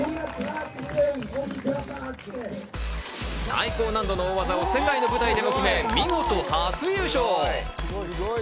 最高難度の大技を世界の舞台でも決め、見事初優勝！